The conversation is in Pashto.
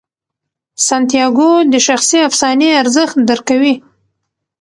سانتیاګو د شخصي افسانې ارزښت درک کوي.